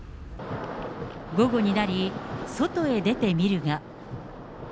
午後になり、外へ出てみるが。